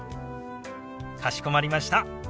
かしこまりました。